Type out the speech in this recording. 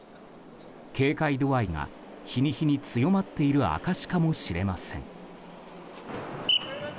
警戒度合いが日に日に強まっている証しかもしれません。